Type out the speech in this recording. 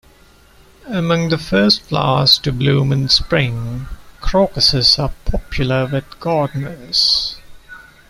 Among the first flowers to bloom in spring, crocuses are popular with gardeners.